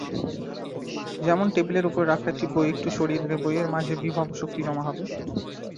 যেমন, টেবিলের উপর রাখা একটি বই একটু সরিয়ে দিলে বইয়ের মাঝে বিভব শক্তি জমা হবে।